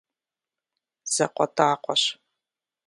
ЗакъуэтӀакъуэщ…